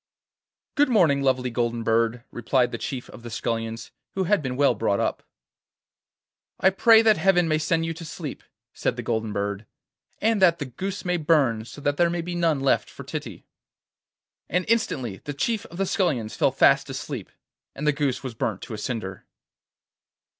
'Good morning, lovely golden bird,' replied the chief of the scullions, who had been well brought up. 'I pray that Heaven may send you to sleep,' said the golden bird, 'and that the goose may burn, so that there may be none left for Titty.' And instantly the chief of the scullions fell fast asleep, and the goose was burnt to a cinder.